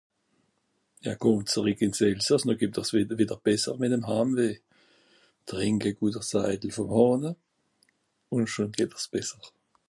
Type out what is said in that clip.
Ja komm zerüeck ìn s Elsàss, no geht dr s wìdder besser mìt'm Haamweh. Trink e guter Saidel vùm Hàhne ùn schùn geht dr s besser